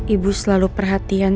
ibu selalu perhatian